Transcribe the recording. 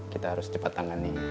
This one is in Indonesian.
kita harus cepat tangani